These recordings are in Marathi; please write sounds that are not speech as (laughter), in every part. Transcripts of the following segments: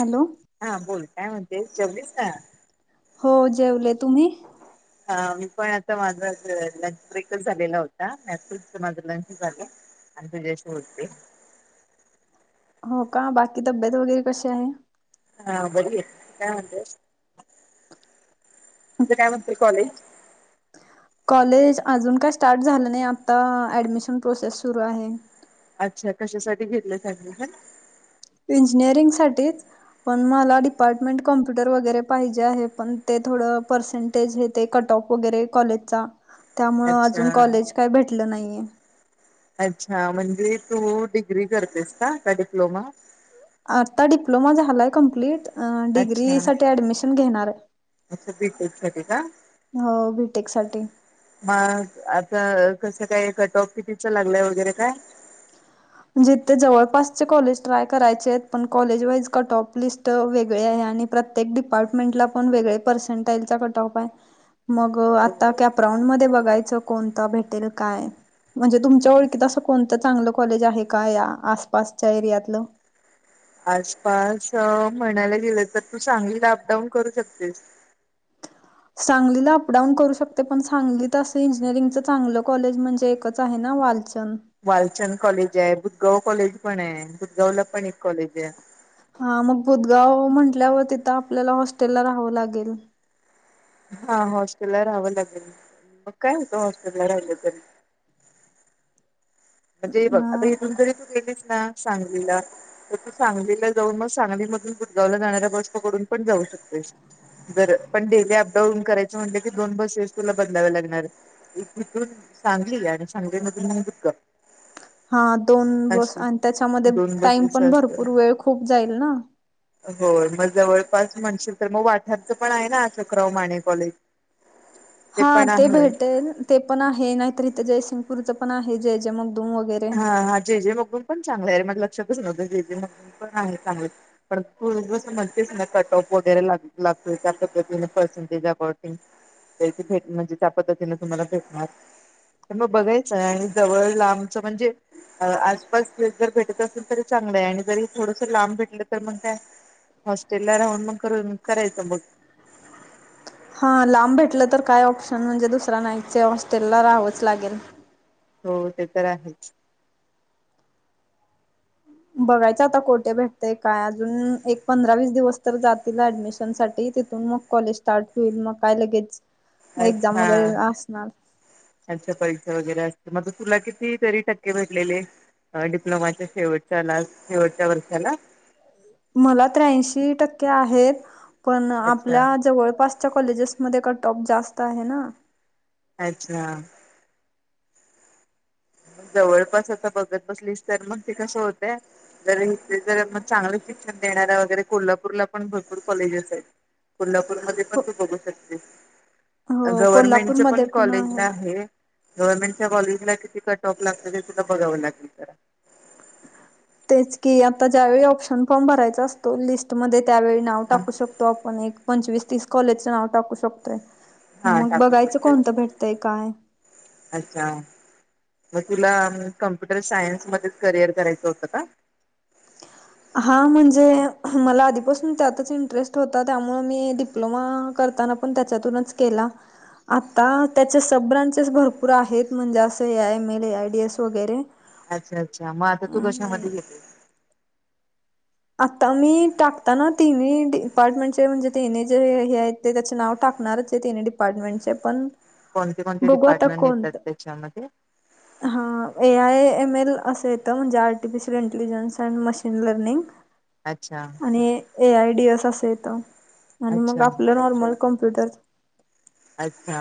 हॅलो. हा बोल काय म्हणजे जेवळीस ना. हो, जेवले तुम्ही. ह, मी पण आता माझा लंच ब्रेकच झालेला होता, (unintelligible) माझं लंच झालं. आणि तुझीशी बोलतेय. हो का, बाकी तब्येत वगैरे कशी आहे. हा बरीये, काय म्हणतेस, तुझं काय म्हणतंय कॉलेज. कॉलेज अजून काय स्टार्ट झालं नाही आत्ता, ऍडमिशन प्रोसेस सुरू आहे. अच्छा, कशासाठी घेतलयस ॲडमिशन. इंजिनिअरिंगसाठीच. पण मला डिपार्टमेंट कॉम्प्युटर वगैरे पाहिजे आहे, पण ते थोडं पर्सेंट तेजे ते कट ऑफ वगैरे कॉलेजचा, त्यामुळं अजून अच्छा. कॉलेज काही भेटलं नाहीये. अच्छा म्हणजे तू डिग्री करतेस का, का डिप्लोमा. आत्ता डिप्लोमा झालायं कंप्लिट. अ, अच्छा डिग्री साठी ऍडमिशन घेणार आहे. अच्छा बीटेक साठी का? हो, बीटेक साठी. मग आता, कसं काय कट ऑफ कितीच लागलंय वगैरे काय. म्हणजेे इथे जवळपासचे कॉलेज ट्राय करायचेत, पण college wise cut off list. तर वेगळे आहे, आणि प्रत्येक डिपार्टमेंटला पण वेगळे पर्सेंटाईलचा कट ऑप आहे. मग हो आता, कॅपराऊंड मध्ये बघायचं कोणता भेटेल काय. म्हणजे तुमच्या ओळखीत असं कोणत चांगलं कॉलेज आहे का, या आसपासच्या एरियातलं. आसपास अ, म्हणायला गेलं तर तू सांगलीला अप-डाऊन करू शकतेस. सांगलीला अपडाऊन करू शकते पण, सांगलीत असं इंजिनिअरिंगच चांगलं कॉलेज म्हणजे एकच. आहे ना वालचंद. वालचंद कॉलेज आहे, बुदगाव कॉलेज पण आहे. बुदगाव ला पण एक कॉलेज आहे. हा मग बुदगाव, म्हंटल्यावर तिथं आपल्याला हॉस्टेला राहावं लागेल. हा हॉस्टेला राहावं लागेल, मग काय होतं हॉस्टेला राहिलं तरी. म्हणजे हे बघ, अ आता इथून जरी तू गेलीस ना सांगलीला. तर तू सांगलीला जाऊन मग, सांगली मधून बुदगाव ला जाणाऱ्या बस पकडून पण जाऊ शकतेस. जर पण डेली अपडाऊन करायच म्हटलं की, दोन बसेस तुला बदलाव्या लागणार. इथून सांगली, आणि सांगली मधून मग बुदगाव. हा दोन बस, आणि त्यांच्यामध्ये दोन टाईम बसेस पण भरपूर वेळ खूप जाईल ना. हो, मग जवळपास म्हणशील तर मग, वाठारचं पण आहे ना अशोकराव माने कॉलेज. (inaudible) हा पण ते आहे भेटेल ते पण आहे, नाहीतर इथं जयसिंगपूरचं पण आहे जे. जे. मगदूम वगैरे. हा हा, जे. जे. मगदूम. पण चांगलेय माझ्या लक्षातच नव्हतं जे. जे. मगदूम. पण आहे चांगल. पण तु असं म्हणतेस ना कट ऑफ वगैरे ला, लागतोय त्या पद्धतीने पर्सेंटेज अबाउटिंग. त्यांची भेट, म्हणजे त्या पद्धतीने तुम्हाला भेटणार. तर मग बघायचंय, आणि जवळ लांबचं म्हणजे आसपास जर भेटत असेल तरी चांगलंय, आणि जरी थोडस लांब भेटलं तर मग काय. हॉस्टेला राहून मग करून, करायचं मग. हा, लांब भेटलं तर काय ऑप्शन म्हणजे, दुसरा नाहीचं हॉस्टेल ला राहावंच लागेल. हो, ते तर आहेच. बघायचं आता कोठे भेटतय काय, अजून एक पंधरा वीस दिवस तर जातील ऍडमिशन साठी तिथून मग, कॉलेज स्टार्ट होईल, मग काय लगेच. एक्झाम अच्छा. वगैरे असणार त्यांच्या परीक्षा वगैरे असते, मग तुला किती तरी टक्के भेटलेले. डिप्लोमाच्या शेवटच्या लास्ट, शेवटच्या वर्षाला. मला त्र्याऐंशी टक्के आहेत, पण अच्छा आपल्या जवळपास च्या कॉलेजेसमध्ये कट टॉप जास्त आहे ना. अच्छा. ‌ मग जवळपास आता बघत बसलीस तर, मग ते कसं होतंय. जे जर मग चांगलं शिक्षण देणारऱ्या वगैरे, कोल्हापूरला पण भरपूर कॉलेजेस आहेत. कोल्हापूरमध्ये पण हो तू बघू शकतेस. हो गव्हर्मेंटच्या कोल्हापूरमध्ये पण कॉलेज आहेत. ना, गव्हर्नमेंटच्या कॉलेजला किती कट ऑफ लागत ते त बघावं लागेल तर, तेच की आता ज्यावेळी ऑप्शन फॉर्म भरायचा असतो, लिस्टमध्ये त्यावेळी नाव हा टाकू शकतो. तो आपण एक पंचवीस तीस कॉलेजचं नाव टाकू शकतोय. हा मग टाकू बघायचं शकते कोणतं भेटतंय काय? अच्छा. मग तुला कॉम्प्युटर सायन्स मध्येच करिअर करायचं होतं का? हा म्हणजे, मला आधीपासून त्यातच इंटरेस्ट होता त्यामुळे मी डिप्लोमा करताना. पण त्यांच्यातून चं केला. आत्ता त्याचे सब ब्रांचेस भरपूर आहेत म्हणजे, असं A I M L A I D S वगैरे. अच्छा अच्छा, मग आता तू कशामध्ये घेते. आता मी टाकताना तिन्ही, डिपार्टमेंटचे म्हणजे तिनही जे हे आहेत. ते त्याचे नाव टाकणारच तिन्ही डिपार्टमेंटचे पण, कोणते कोणते डिपार्टमेंट येतात तेच्या मध्ये, ह हा ए आय एम एल असं येतं म्हणजे artificial intelligence and machine learning अच्छा आणि ए आय डी एस असच येतं आणि मग अच्छा आपलं नॉर्मल कम्प्युटर अच्छा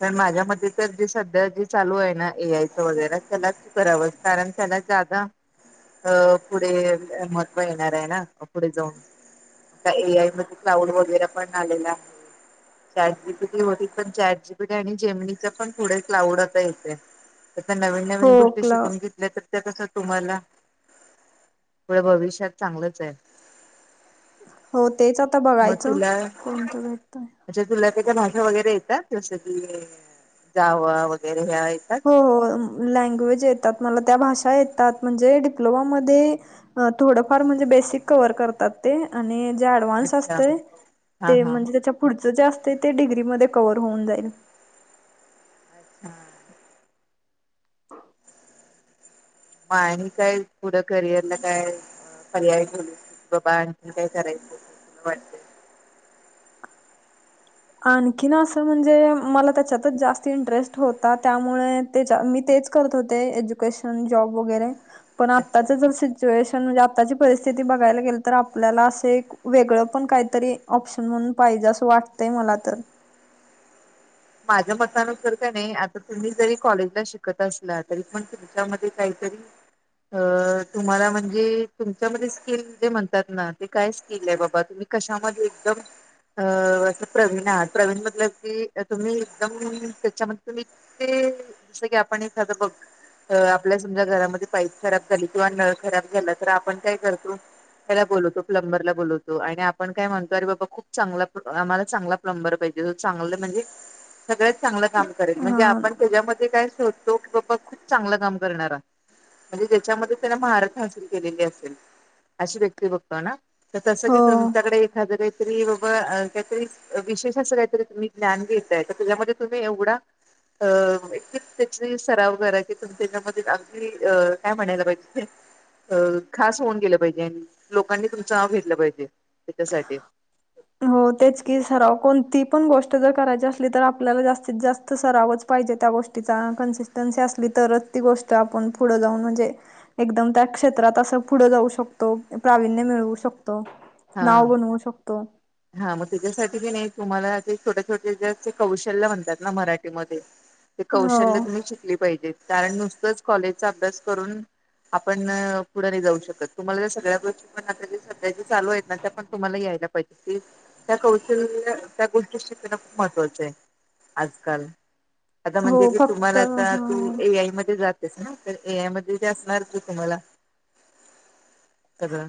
पण माझ्या मते तर जे सध्या जे चालू आहे ना ए आयच वगैरे त्यालाच करावंस कारण त्याला पुढे महत्व येणार आहे ना पुढे जाऊन आ ए आय मध्ये क्लाउड वगैरे पण आलेला आहे चार्ज होती पण जॅट जी प आणि जेमनीच पण थोडे क्लाउड आता येते सध्या नवीन हो नवीन गोष्टी क्ल शिकून घे ते तर ते कस तुम्हाला पुढे भविष्यात चांगलंच आहे हो तेच आता मग बघायचं तुला कोणतं भेटतय म्हणजे तुला त्या भाष्या वगैरे येतात, जसं की जावा वगैरे ह्या येतात. हो हो लँग्वेज येतात मला त्या भाषा येतात म्हणजे डिप्लोमामध्ये थोडं फार म्हणजे बेसिक कवर करत त्यात ते आणि ज्या ऍडव्हान्स अच्छा असते हा ते हा म्हणजे त्याच्या पुढचं जास्त येते डिग्रीमध्ये कव्हवर होऊन जाईल अच्छा (unintelligible) आणि काय पुढं करिअर ला काय पर्याय जे बाबा मनेल तेच कराच वाटते आणखीन असं म्हणजे मला त्याच्यातच जास्त इंटरेस्ट होता त्यामुळे मी तेच करत होते एज्यूकेशन जॉब वगैरे पण आता अच्छा जसे सजेशन म्हणजे आताची परिस्थिती बघायला गेल तर आपल्याला असे एक वेगळं पण काहीतरी ऑप्शन म्हणून पाहिजे असं वाटतंय मला तर माझ्या मतानुसार त्याने आता तुम्ही जरी कॉलेजला शिकत असला तरी पण तुमच्यामध्ये काहीतरी अ तुम्हाला म्हणजे तुमच्यामध्ये स्किल जे म्हणतात ना ते काय स्किल आहे बाबा तुम्ही कशामध्ये एकदम अ असं प्रवीण आहात प्रवीण मधल की तुम्ही एकदम त्याच्यामध्ये तुम्ही ते जस की आपण एखादं बघ तर आपल्या समजा घरामध्ये पाईप खराब झाली किंवा नळ खराब झाला तर आपण काय करतो ह्या ला प्लंबरला बोलतो आणि आपण काय म्हणतो अरे बाबा खूप चांगला आम्हाला चांगला प्लंबर पाहिजे तो चांगलं म्हणजे सगळ्यात चांगलं काम करेल म्हणजे हां. आपण त्याच्यामध्ये काय सोधतो की बाबा खूप चांगलं काम करणारा म्हणजे ज्याच्यामध्ये त्यांन महारथ हासल केलेली असेल अशी व्यक्ती ब तर तस की हो. तुमच्याकडे एखाद काहीतरी बाबा काहीतरी विशेष असं काहीतरी तुम्ही ज्ञान घेताय तर त्याच्यामध्ये तुम्ही एवढा अ एक त्या सराव करा की तु त्याच्यामध्ये अगदी अ काय म्हणायला पाहिजे ते अ खास होऊन गेलं पाहिजे आणि लोकांनी तुमचं नाव घेतलं पाहिजे त्याच्यासाठी. ह हो तेच की सराव कोणती पण गोष्ट जर करायची असली तर आपल्याला जास्तीत जास्त सरावच पाहिजे त्या गोष्टी टिचा कन्सिस्टन्सी असली तरच ती गोष्ट आपण पुढ जाऊन म्हणजे एकदम त्या क्षेत्रात असं पुढं जाऊ शकतो प्रावीण्य मिळवू शकतो. हा नाव बनऊ शकतो. हा मग त्याच्यासाठी बी नाही तुम्हाला ते छोटे छोटे जेे कौशल्य म्हणतात ना मराठीमध्ये. ते हो कौशल्य तुम्ही शिकली पाहिजे. कारण नुसतंच कॉलेजचा अभ्यास करून आपणं पुढे नाही जाऊ शकत. तुम्हाला सगळ्या गोष्टी पण सध्याच्या चालू आहेत ना त्या पण तुम्हाला यायला पाहिजे. त्या कौशल्य त्या गोष्टी शिकणं खूप महत्त्वाचं आहे. आजकाल आता हो म्हणजे की फक्त तुम्हाला आता तू ह ए आय मध्ये जात तेचना तर ए आय ते असणार की तुम्हाला सगंळ.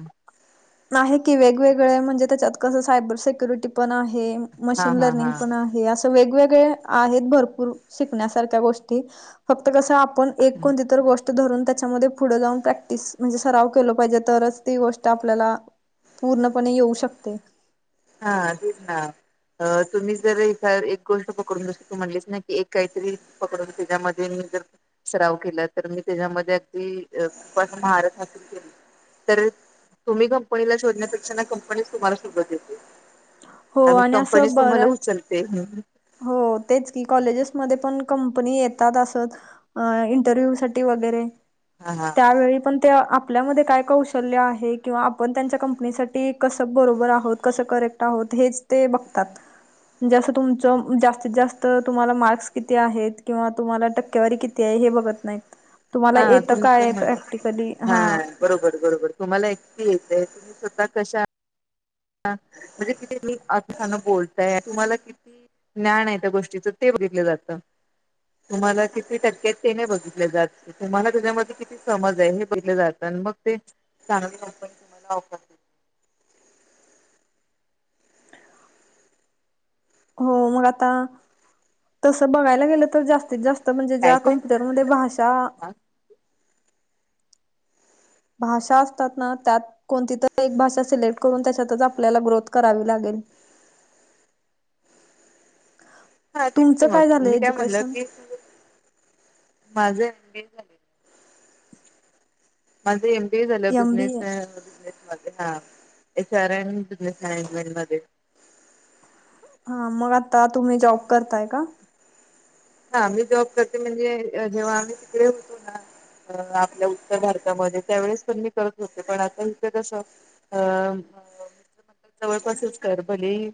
नाहीं की वेगवेगळं हे म्हणजे त्यांच्यात कसं सायबरं सक्युरिटी पणं आहे हा मशीन हा हा लर्निंग पणं आहे असं वेगवेगळे आहेतं भरंपूर शिकण्यांसारख्यां गोष्टीं फक्तं कसं आपणं एक कोणतीतरं गोष्टं धरूंन त्यांच्यामध्ये पुढें जाऊंन प्रॅक्टिस म्हणजे सराव केलं पाहिजे. तरचं ती गोष्टं आपल्यांला पूर्णपणें येऊं शकते. हां तेचं नां तुम्हीं जंर ए एक गोष्टं पकडूंन जसं तूं म्हणलेसं नां की एक कांहीतरी पकडूंन त्यांच्यामध्ये मी जर स्राव केलां तरं मी त्यांच्यामध्ये अगदीं खूपं महारतं हासलं केली. तरं तुम्हीं कंपनीलां शोधण्यांपेक्षा नां कंपनी तुम्हांला शोधतं येते. हो आणि असं कंपनीचं तुम्हांला बऱ्याच उचलते. हो तेचं की कॉलेजेसंमध्यें पणं कंपनी येतातं असं. इंटरव्ह्यू सांठी वगैरें. हां हां त्यांवेळी पणं ते आपल्यांमध्यें कायं कौशल्यं आहे किंवा आपणं त्यांच्या कंपनीसांठी कसंब बरोबर आहोंत. कंस करेक्टं आहोंत हेंच ते बघतांत म्हणजे असं तुम तं जास्तीत जास्तं तुम्हांला मार्क्स किती आहेतं किंवा तुम्हांला टक्केवारी किती आहे हे बघतं नाहीतं. तुम्हांला हा येतं तुमच्या कायं मध्ये प्रॅक्टिकली हा हां. बरोबर बरोबर तुम्हांला एक्सपीस तुम्हीं सुद्धा कशां म्हणजे किती मी अर्थान बोलतायं तुम्हांला किती ज्ञांन आहे त्यां गोष्टीचं ते बघितलं जातं. तुम्हांला किती टक्के हेतं ते नाहीं बघितले जातं. तुम्हांला त्यांच्यामध्ये किती समजं आहे हे बघले जातं आणि मंग ते चांगली कंपनी तुम्हांला ऑफर हो मंग आतां तसं बघायलां गेलं तरं जास्तीतं जास्तं म्हणजे काय ज्यां ते कम्प्युटरं म्हंते भाषां भाषां असतातं नां त्यांत. कोणती तरी एक भाषां सिलेक्टं करूंन त्यांच्यातचं आपल्यांला ग्रोथ करावी लागेल. ह (unintelligible) हां तेचं की मंग मी कायं म्हणलं की माझं एम बी ए झा माझं एम बी ए झालं एम बी ए बिझनेसं बिझनेसं म हां विचार एसर बिझनेसं आहे इंट मध्यें हां मंग आतां तुम्हीं जॉब करतायं कां हां मी जॉब करतें म्हणजे जेंव्हा आम्हीं तिकडे होतों नां. अ आपल्यां उत्तरं भारतांमध्यें त्यांवेळेसं पणं मी करतं होते. पणं आतां इथे कसं अं मं जवळंपासचं करं भले ही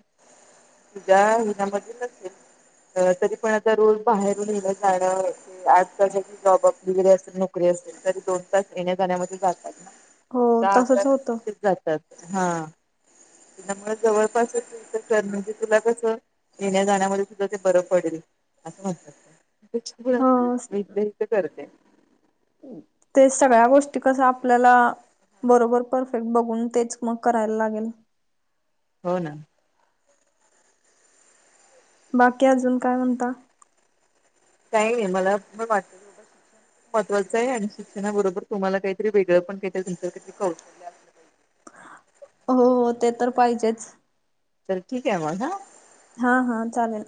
तुझ्यां हुन्यांमध्ये नसेलं तरी पणं आतां दररोज भाड्याने घेऊन जाडयावरं आहे आंजकांल जरं जॉबप डिग्री असेलं नोकरी असेलं तरी दोन तासं येण्यां जाण्यांमध्यें जातातं नां. हो दहा अकरा तसच हे होतं तसेचं जातातं हां त्यां मुळें जवळंपासचं करं म्हंजे तुलां कसं येण्यां जाण्यांमध्यें सुद्धां ते बरं पडलं. असं म्हणतांत अच्छा हो मी हितल्यां हितं करतें. ते सगळ्यां गोष्टीं कसं आपल्यांला बरोबर परफेक्टं बघूंन तेचं मंग करायलां लागेल. हो नां. बांकी अजूंन कायं म्हणतां. कांहीं नाहीं मलां पणं वाटतं महत्वाचं आहे आणि शिक्षणांबरोबर तुम्हांला कांहीतरी वेगळं पणं भेटलं तुमचं कांहीतरी हो हो ते तरं पाहिजेचं. तरं ठीक आहे मंग हं. हां हां चालेल.